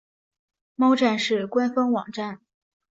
猫战士官方网站